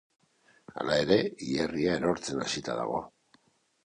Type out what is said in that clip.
Hala ere hilerria erortzen hasita dago.